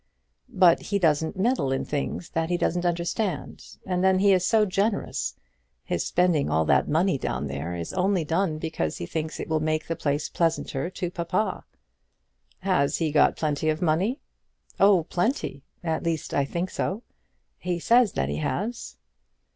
"But he doesn't meddle in things that he doesn't understand. And then he is so generous! His spending all that money down there is only done because he thinks it will make the place pleasanter to papa." "Has he got plenty of money?" "Oh, plenty! At least, I think so. He says that he has."